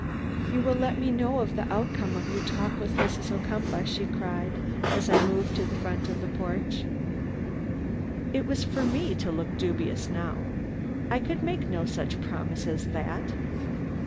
"You will let me know the outcome of your talk with Mrs. Ocumpaugh?" she cried, as I moved to the front of the porch. It was for me to look dubious now. I could make no such promise as that.